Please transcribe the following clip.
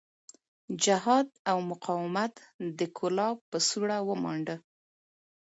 جهاد او مقاومت د کولاب په سوړه ومانډه.